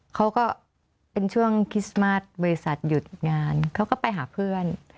เขาก็เป็นช่วงคริสต์มาสบริษัทหยุดงานเขาก็ไปหาเพื่อน